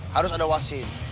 harus ada wasit